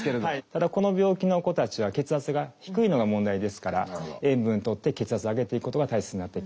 ただこの病気の子たちは血圧が低いのが問題ですから塩分とって血圧上げていくことが大切になっていきます。